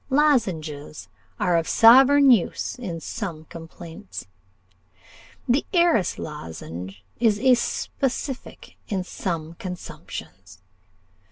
Lozenges are of sovereign use in some complaints. The heiress lozenge is a specific in some consumptions.